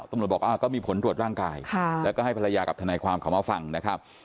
ตำรวจบอกว่าก็มีผลตรวจร่างกายแล้วก็ให้ภรรยากับทนายความเขามาฟังนะครับ